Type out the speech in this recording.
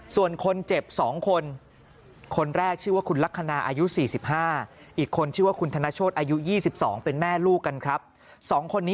ส่วนคนเจ็บ๒คน